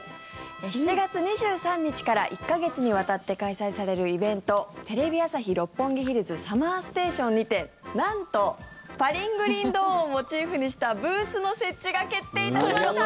７月２３日から１か月にわたって開催されるイベントテレビ朝日・六本木ヒルズＳＵＭＭＥＲＳＴＡＴＩＯＮにてなんと「パリングリンドーン」をモチーフにしたブースの設置が決定いたしました！